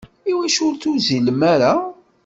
Iwacu ur tuzzilem ara?